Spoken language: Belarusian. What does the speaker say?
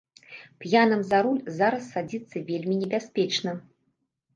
П'яным за руль зараз садзіцца вельмі небяспечна.